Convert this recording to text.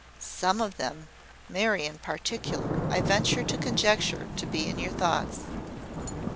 "`Some of them.' Mary, in particular, I venture to conjecture to be in your thoughts."